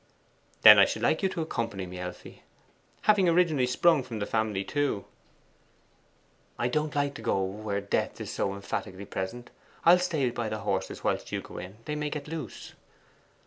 'Then I should like you to accompany me, Elfie; having originally sprung from the family too.' 'I don't like going where death is so emphatically present. I'll stay by the horses whilst you go in; they may get loose.